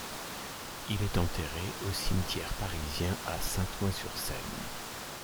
Il est enterré au cimetière parisien à Saint-Ouen-sur-Seine.